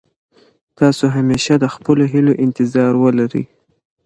تاسو همېشه د خپلو هيلو انتظار ولرئ.